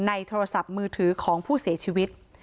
โทรศัพท์มือถือของผู้เสียชีวิต